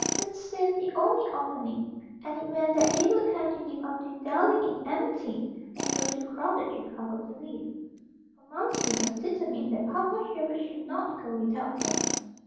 It seemed the only opening, and it meant that they would have to give up the "dwelling in amity" and go to crowded Chicago to live. For Momsey was determined that Papa Sherwood should not go without her.